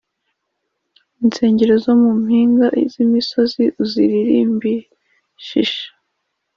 insengero zo mu mpinga z imisozi uzirimbishisha